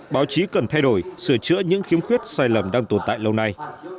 báo chí cần thay đổi sửa chữa những khiếm khuyết sai lầm đang tồn tại lâu nay